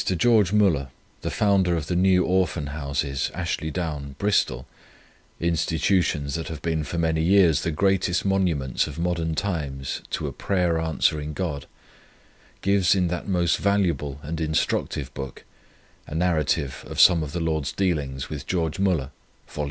George Müller, the founder of the New Orphan Houses, Ashley Down, Bristol (institutions that have been for many years the greatest monuments of modern times to a prayer answering God), gives in that most valuable and instructive book, "A Narrative of Some of the Lord's Dealings with George Müller," Vol.